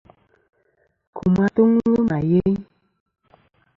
Kum atuŋlɨ ma yeyn.